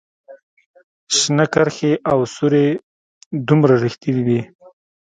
شنه کرښې او سورې دومره ریښتیني دي